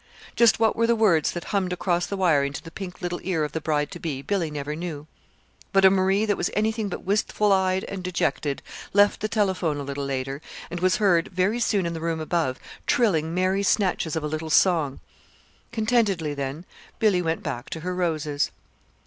Just what were the words that hummed across the wire into the pink little ear of the bride to be, Billy never knew; but a Marie that was anything but wistful eyed and dejected left the telephone a little later, and was heard very soon in the room above trilling merry snatches of a little song. Contentedly, then, Billy went back to her roses.